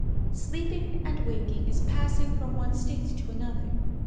Sleeping and waking is passing from one state to another.